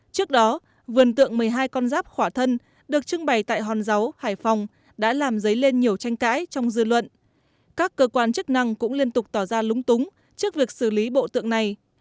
trước đó vườn tượng một mươi hai con giáp khỏa thân được trưng bày tại hòn giấu hải phòng đã làm dấy lên nhiều tranh cãi trong dư luận các cơ quan chức năng cũng liên tục tỏ ra lúng túng trước việc xử lý bộ tượng này